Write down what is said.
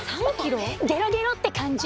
ゲロゲロって感じ！